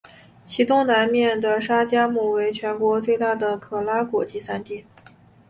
其东南面的沙加穆为全国最大的可拉果集散地。